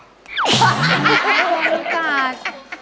กลัวงูกัด